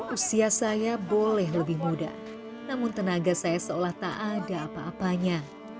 usia saya boleh lebih muda namun tenaga saya seolah tak ada apa apanya